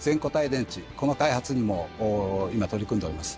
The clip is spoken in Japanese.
この開発にも今取り組んでおります。